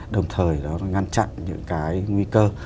đồng thời nó ngăn chặn những cái nguy cơ